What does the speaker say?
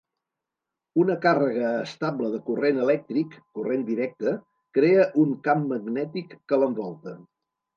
Una càrrega estable de corrent elèctric, corrent directe, crea un camp magnètic que l'envolta.